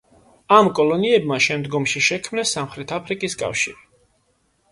ამ კოლონიებმა შემდგომში შექმნეს სამხრეთ აფრიკის კავშირი.